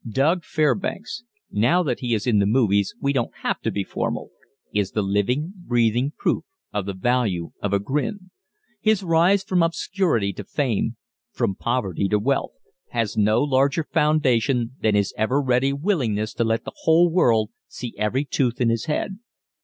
"Doug" Fairbanks now that he is in the "movies" we don't have to be formal is the living, breathing proof of the value of a grin. His rise from obscurity to fame, from poverty to wealth, has no larger foundation than his ever ready willingness to let the whole world see every tooth in his head.